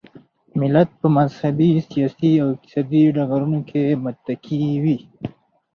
ملت په مذهبي، سیاسي او اقتصادي ډګرونو کې متکي وي.